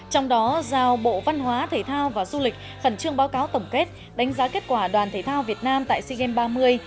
trong đó giao bộ văn hóa thể thao và du lịch khẩn trương báo cáo tổng kết đánh giá kết quả đoàn thể thao việt nam tại sea games ba mươi